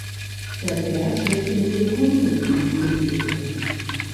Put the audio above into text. Der Wert wird in Sekunden angegeben.